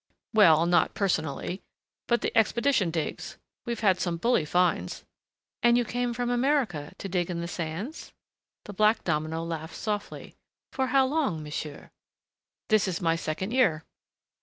"Well, not personally.... But the expedition digs.... We've had some bully finds." "And you came from America to dig in the sands?" The black domino laughed softly. "For how long, monsieur?" "This is my second year."